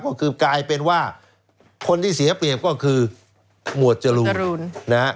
ก็คือกลายเป็นว่าคนที่เสียเปรียบก็คือหมวดจรูนนะฮะ